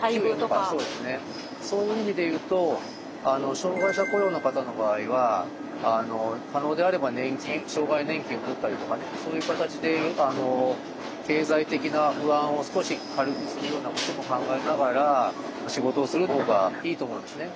そういう意味で言うと障害者雇用の方の場合は可能であれば年金障害年金を取ったりとかねそういう形で経済的な不安を少し軽くするようなことも考えながら仕事をするほうがいいと思うんですね。